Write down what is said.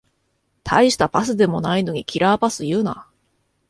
たいしたパスでもないのにキラーパス言うな